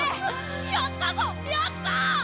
やったぞやった！